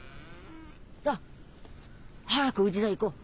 さあ早くうちさ行こう。